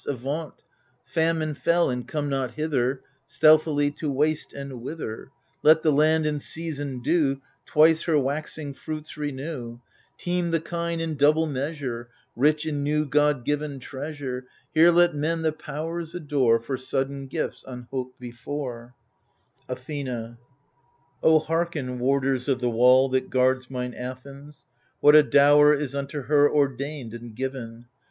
Avaunt, Famine fell, and come not hither Stealthily to waste and wither 1 Let the land, in season due. Twice her waxing fruits renew ; Teem the kine in double measure ; Rich in new god given treasure ; Here let men the powers adore For sudden gifts unhoped before 1 Athena O hearken, warders of the wall That guards mine Athens, what a dower Is unto her ordained and given